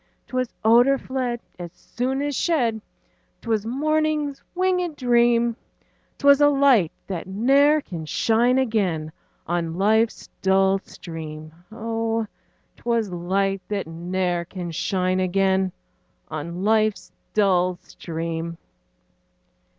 'Twas odor fled As soon as shed; 'Twas morning's winged dream; 'Twas a light, that ne'er can shine again On life's dull stream: Oh! 'twas light that ne'er can shine again On life's dull stream.